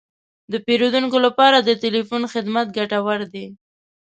د پیرودونکو لپاره د تلیفون خدمت ګټور دی.